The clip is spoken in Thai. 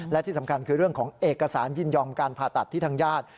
และที่สำคัญคือเรื่องของเอกสารยินยอมการผ่าตัดที่ทางญาติ